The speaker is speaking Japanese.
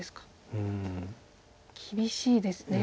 厳しいですね。